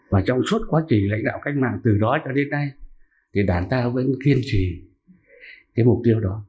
và trong suốt quá trình lãnh đạo cách mạng từ đó cho đến nay thì đảng ta vẫn kiên trì cái mục tiêu đó